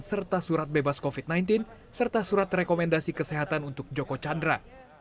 serta surat bebas covid sembilan belas serta surat rekomendasi kesehatan untuk joko chandra